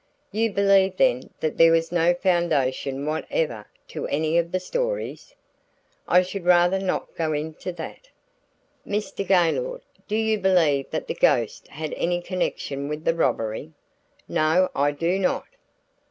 "You believe then that there was no foundation whatever to any of the stories?" "I should rather not go into that." "Mr. Gaylord, do you believe that the ghost had any connection with the robbery?" "No, I do not."